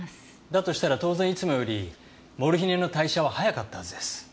だとしたら当然いつもよりモルヒネの代謝は早かったはずです。